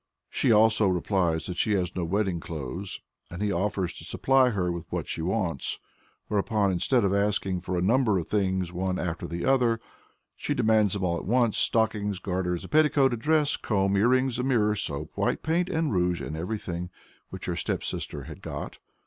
She, also, replies that she has no wedding clothes, and he offers to supply her with what she wants. Whereupon, instead of asking for a number of things one after the other, she demands them all at once "Stockings, garters, a petticoat, a dress, a comb, earrings, a mirror, soap, white paint and rouge, and everything which her stepsister had got."